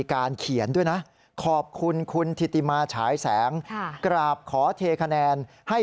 การเขียนด้วยนะขอบคุณคุณธิติมาฉายแสงกราบขอเทคะแนนให้